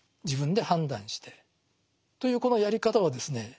自分で判断してというこのやり方はですね